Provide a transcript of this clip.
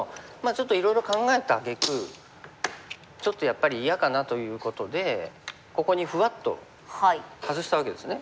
ちょっといろいろ考えたあげくちょっとやっぱり嫌かなということでここにふわっと外したわけですね。